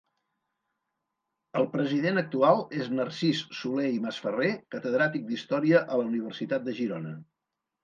El president actual és Narcís Soler i Masferrer, catedràtic d'història a la Universitat de Girona.